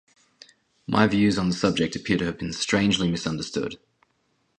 My views on this subject appear to have been strangely misunderstood.